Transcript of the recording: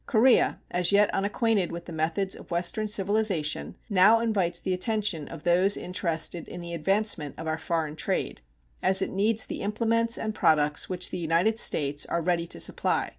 Korea, as yet unacquainted with the methods of Western civilization, now invites the attention of those interested in the advancement of our foreign trade, as it needs the implements and products which the United States are ready to supply.